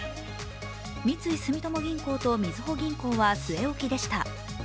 三井住友銀行とみずほ銀行は据え置きでした。